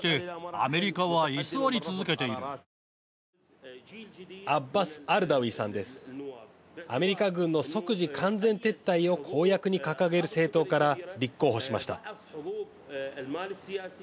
アメリカ軍の即時完全撤退を公約に掲げる政党から立候補しました。